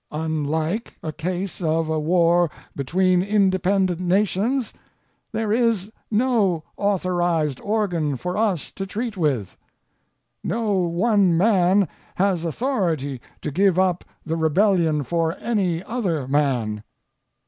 Unlike a case of a war between independent nations, there is no authorized organ for us to treat with. No one man has authority to give up the rebellion for any other man.